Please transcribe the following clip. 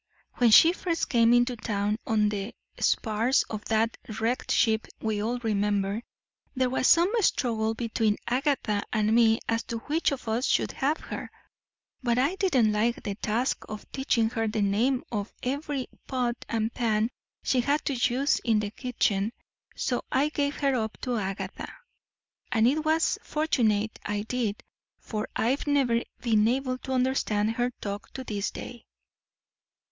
"When she first came into town on the spars of that wrecked ship we all remember, there was some struggle between Agatha and me as to which of us should have her. But I didn't like the task of teaching her the name of every pot and pan she had to use in the kitchen, so I gave her up to Agatha; and it was fortunate I did, for I've never been able to understand her talk to this day."